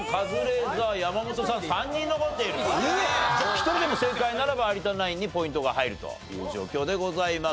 １人でも正解ならば有田ナインにポイントが入るという状況でございます。